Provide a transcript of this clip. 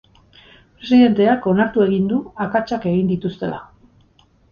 Presidenteak onartu egin du akatsak egin dituztela.